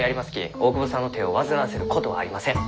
大窪さんの手を煩わせることはありません。